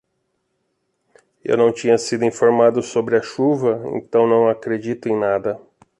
Eu não tinha sido informado sobre a chuva, então não acredito em nada.